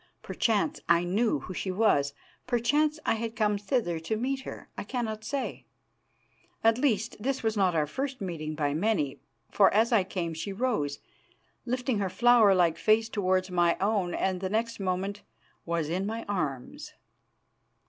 Perchance I knew who she was, perchance I had come thither to meet her, I cannot say. At least, this was not our first meeting by many, for as I came she rose, lifting her flower like face towards my own, and next moment was in my arms.